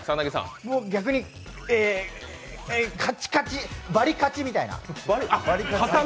逆に、カッチカチ、バリカチみたいな。